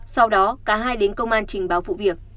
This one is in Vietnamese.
sau đó cả hai đến công an trình báo vụ việc